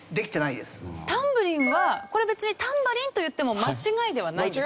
タンブリンはこれ別に「タンバリン」と言っても間違いではないんですよね？